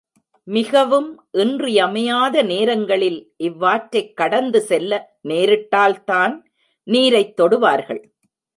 மிகவும் இன்றியமையாத நேரங்களில் இவ்வாற்றைக் கடந்து செல்ல நேரிட்டால்தான் நீரைத் தொடுவார்கள்.